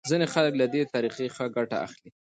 ځینې خلک له دې طریقې ښه ګټه اخلي.